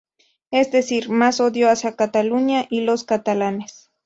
Es decir, más odio hacia Cataluña y los catalanes.